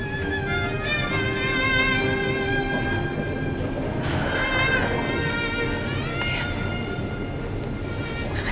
masa yang terbaik